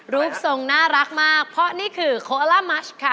รูปทรงน่ารักมากเพราะนี่คือโคล่ามัชค่ะ